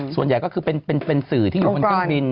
ส่วนใหญ่ก็คือเป็นสื่อที่อยู่บนเครื่องบิน